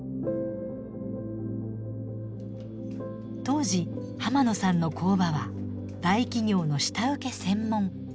当時浜野さんの工場は大企業の下請け専門。